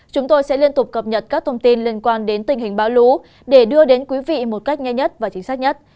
chúng tôi sẽ liên tục cập nhật các thông tin liên quan đến tình hình bão lũ để đưa đến quý vị một cách nhanh nhất và chính xác nhất